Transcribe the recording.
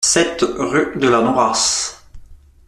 sept rue de la Nourasse